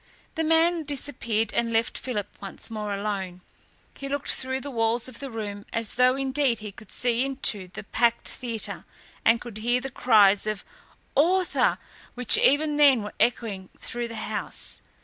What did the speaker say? The man disappeared and left Philip once more alone. He looked through the walls of the room as though, indeed, he could see into the packed theatre and could hear the cries for "Author!" which even then were echoing through the house.